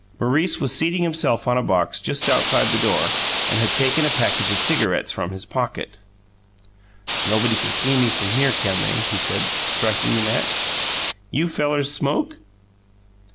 Maurice was seating himself on a box just outside the door and had taken a package of cigarettes from his pocket. "Nobody can see me from here, can they?" he said, striking a match. "You fellers smoke?"